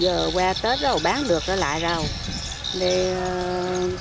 giờ qua tết rồi bán được ở lại rồi